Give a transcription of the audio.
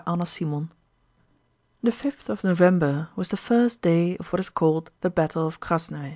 CHAPTER VI The fifth of November was the first day of what is called the battle of Krásnoe.